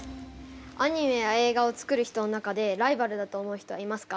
アニメや映画を作る人の中でライバルだと思う人はいますか？